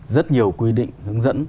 rất nhiều quy định hướng dẫn